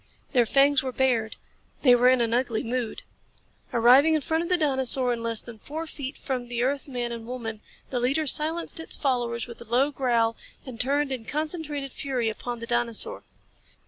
Their fangs were bared. They were in an ugly mood. Arriving in front of the dinosaur and less than four feet from the earth man and woman, the leader silenced its followers with a low growl and turned in concentrated fury upon the dinosaur.